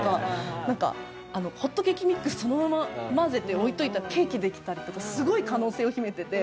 なんかホットケーキミックスそのまま混ぜて置いといたらケーキできたりとかすごい可能性を秘めてて。